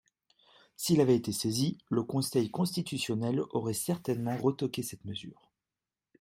S’il avait été saisi, le Conseil constitutionnel aurait certainement retoqué cette mesure.